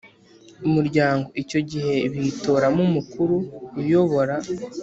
Umuryango icyo gihe bitoramo Umukuru uyobora